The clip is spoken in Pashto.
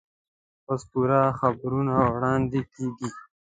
اوس پوره خبرونه واړندې کېږي.